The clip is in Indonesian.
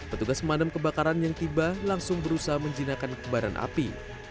petugas pemadam kebakaran yang tiba langsung berusaha menjinakkan kebaran api